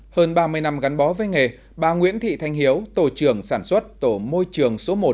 hơn ba mươi năm gắn bó với nghề bà nguyễn thị thanh hiếu tổ trưởng sản xuất tổ môi trường số một